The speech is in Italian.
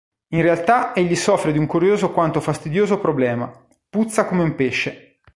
In realtà egli soffre di un curioso quanto fastidioso problema: puzza come un pesce.